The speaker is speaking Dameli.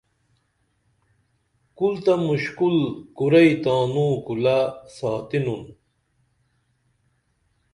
کُل تہ مُشکُل کُرئی تانوں کُلہ ساتینُن